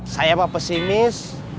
saeb apa pesimis